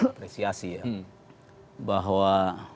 apresiasi ya bahwa